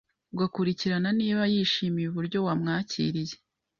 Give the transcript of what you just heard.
ugakurikirana niba yishimiye uburyo wamwakiriye